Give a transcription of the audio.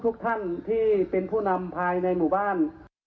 ทุกท่านที่เป็นผู้นำภายในหมู่บ้าน